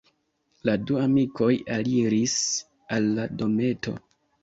La du amikoj aliris al la dometo.